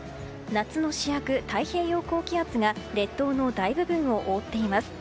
夏の主役、太平洋高気圧が列島の大部分を覆っています。